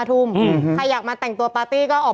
สูตรเขาเพิ่งมีข่าว